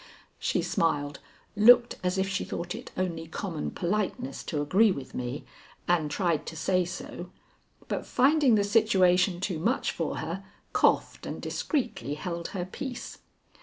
She smiled, looked as if she thought it only common politeness to agree with me, and tried to say so, but finding the situation too much for her, coughed and discreetly held her peace.